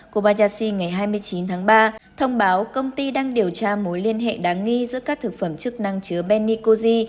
kobayashi ngày hai mươi chín tháng ba thông báo công ty đang điều tra mối liên hệ đáng nghi giữa các thực phẩm chức năng chứa benikosi